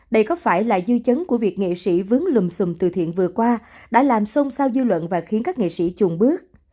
đây có phải là dư chấn của việc nghệ sĩ vướng lùm xùm từ thiện vừa qua đã làm xôn xao dư luận và khiến các nghệ sĩ chuồn bước